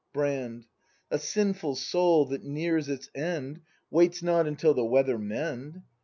Brand. A sinful soul that nears its end Waits not until the weather mend!